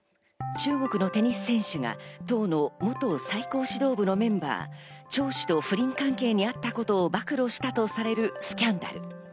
中国のテニス選手が党の元最高指導部のメンバー、チョウ氏と不倫関係にあったことを暴露したとされるスキャンダル。